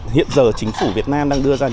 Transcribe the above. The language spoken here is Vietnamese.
hiện giờ chính phủ việt nam đang đưa ra